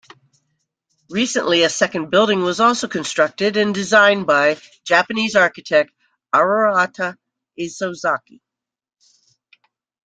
Recently a second building was also constructed and designed by Japanese architect Arata Isozaki.